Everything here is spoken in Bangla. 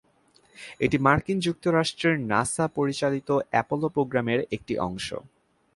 এটি মার্কিন যুক্তরাষ্ট্রের নাসা পরিচালিত অ্যাপোলো প্রোগ্রামের একটি অংশ।